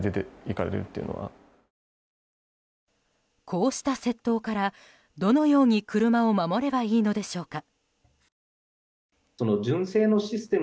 こうした窃盗からどのように車を守ればいいのでしょうか。